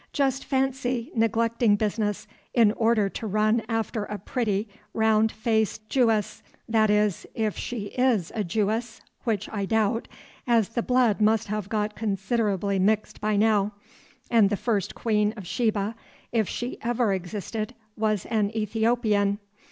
Just fancy neglecting business in order to run after a pretty, round faced Jewess, that is if she is a Jewess, which I doubt, as the blood must have got considerably mixed by now, and the first Queen of Sheba, if she ever existed, was an Ethiopian.